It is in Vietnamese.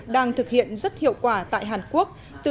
đang thực hiện rất hiệu quả tại hàn quốc